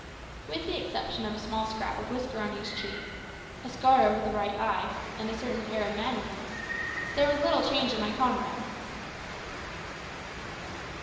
With the exception of a small scrap of whisker on each cheek, a scar over the right eye, and a certain air of manliness, there was little change in my old comrade.